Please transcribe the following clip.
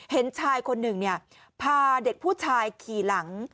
เห็นชายคนหนึ่งพาเด็กผู้ชายขี่หลัง